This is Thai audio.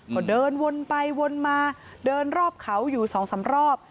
ก็เดินวนไปวนมาเดินรอบเขาอยู่สองสามรอบ